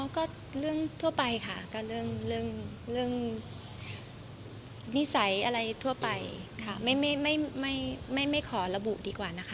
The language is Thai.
อ๋อก็เรื่องทั่วไปค่ะก็เรื่องเรื่องเรื่องนิสัยอะไรทั่วไปค่ะไม่ไม่ไม่ไม่ไม่ไม่ขอระบุดีกว่านะคะ